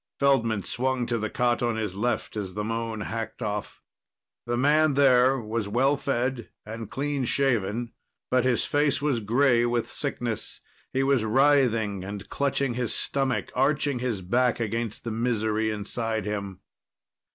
Feldman swung to the cot on his left as the moan hacked off. The man there was well fed and clean shaven, but his face was gray with sickness. He was writhing and clutching his stomach, arching his back against the misery inside him.